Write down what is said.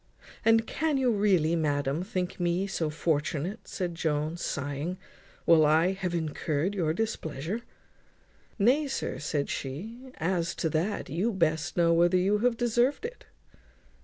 "And can you really, madam, think me so fortunate," said Jones, sighing, "while I have incurred your displeasure?" "Nay, sir," says she, "as to that you best know whether you have deserved it."